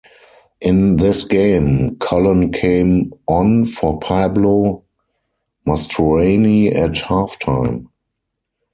In this game, Cullen came on for Pablo Mastroeni at halftime.